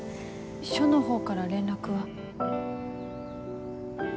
署のほうから連絡は？